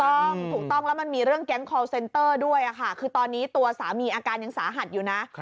ถูกต้องถูกต้องแล้วมันมีเรื่องแก๊งคอลเซนเตอร์ด้วยค่ะคือตอนนี้ตัวสามีอาการยังสาหัสอยู่นะ